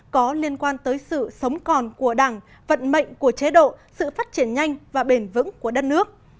có liên quan tới sự sống còn của đảng vận mệnh của chế độ sự phát triển nhanh và bền vững của đất nước